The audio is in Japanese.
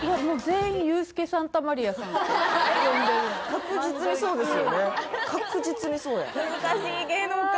確実にそうですよね